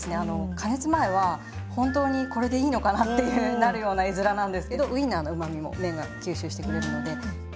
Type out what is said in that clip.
加熱前は本当にこれでいいのかなってなるような絵面なんですけどウインナーのうまみも麺が吸収してくれるので。